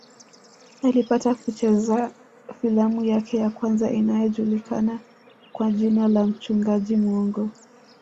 Alipata kucheza filamu yake ya kwanza iliyojulikana kwa jina la mchungaji muongo